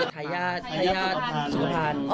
ทายาทสุขภัณฑ์